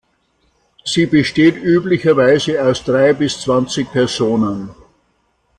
Sie besteht üblicherweise aus drei bis zwanzig Personen.